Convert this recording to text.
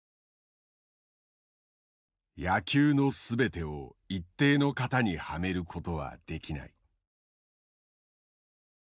「野球の総てを一定の型にはめる事は出来ない」。